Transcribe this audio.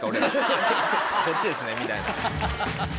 「こっちですね」みたいな。